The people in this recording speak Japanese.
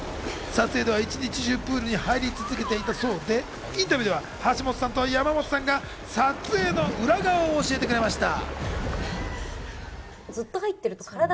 撮影では一日中プールに入り続けていたそうで、インタビューでは橋本さんと山本さんが撮影の裏側を教えてくれました。